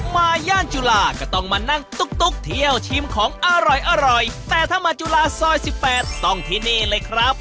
มาย่านจุฬาก็ต้องมานั่งตุ๊กเที่ยวชิมของอร่อยอร่อยแต่ถ้ามาจุฬาซอย๑๘ต้องที่นี่เลยครับ